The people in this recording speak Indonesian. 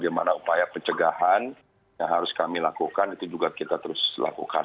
bagaimana upaya pencegahan yang harus kami lakukan itu juga kita terus lakukan